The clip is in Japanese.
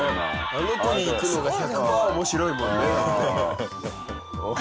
あの子にいくのが１００パー面白いもんね。